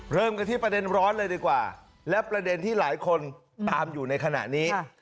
เริ่มกันที่ประเด็นร้อนเลยดีกว่าและประเด็นที่หลายคนตามอยู่ในขณะนี้